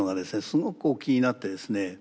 すごく気になってですね